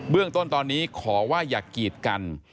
เรื่องต้นตอนนี้ขอว่าอย่ากีดกัน